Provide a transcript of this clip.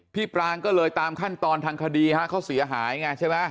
ปรางก็เลยตามขั้นตอนทางคดีฮะเขาเสียหายไงใช่ไหม